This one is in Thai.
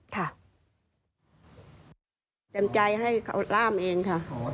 เต็มใจให้เขาล่ามเองค่ะ